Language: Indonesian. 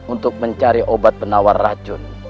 untuk mencari obat penawar racun